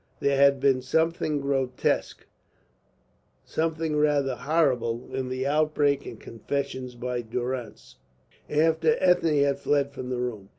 There had been something grotesque, something rather horrible, in that outbreak and confession by Durrance, after Ethne had fled from the room.